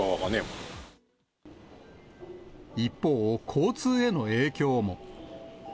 一方、交通への影響も。